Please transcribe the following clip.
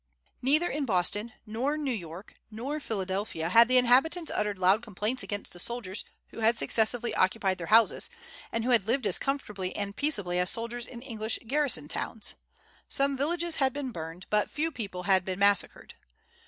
Neither in Boston nor New York nor Philadelphia had the inhabitants uttered loud complaints against the soldiers who had successively occupied their houses, and who had lived as comfortably and peaceably as soldiers in English garrison towns. Some villages had been burned, but few people had been massacred.